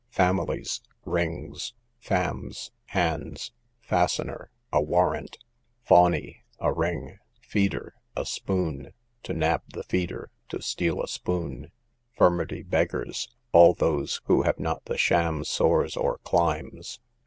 Families, rings. Famms, hands. Fastener, a warrant. Fawney, a ring. Feeder, a spoon:—to nab the feeder; to steal a spoon. Fermerdy beggars, all those who have not the sham sores or clymes.